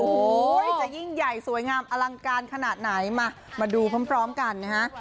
โอ้โหจะยิ่งใหญ่สวยงามอลังการขนาดไหนมามาดูพร้อมกันนะฮะ